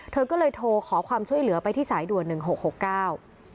เธอก็เลยโทรขอความช่วยเหลือไปที่สายด่วนหนึ่งหกหกเก้า